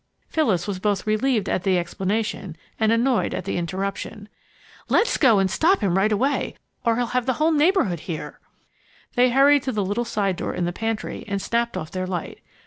Phyllis was both relieved at the explanation and annoyed at the interruption. "Let's go and stop him right away, or he'll have all the neighborhood here!" They hurried to the little side door in the pantry and snapped off their light.